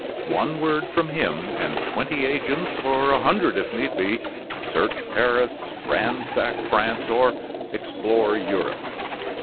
One word from him and twenty agents, or a hundred if need be, search Paris, ransack France, or explore Europe.